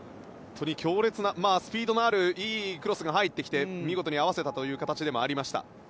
本当に強烈なスピードのあるいいクロスが入ってきて見事に合わせたという形でもありました。